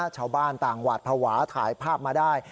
ชาวบ้านต่างหวาดภาวะถ่ายภาพมาได้